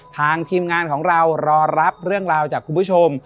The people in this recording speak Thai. ทีมงานของเรารอรับเรื่องราวจากคุณผู้ชม